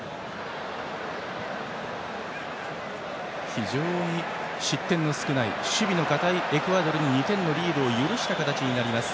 非常に失点の少ない守備の堅いエクアドルに２点のリードを許した形になります